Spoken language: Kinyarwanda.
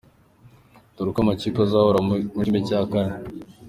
Dore uko amakipe azahura muri kimwe cya kane.